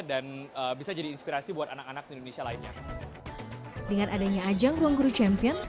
dan bisa jadi inspirasi buat anak anak indonesia lainnya dengan adanya ajang ruang guru champion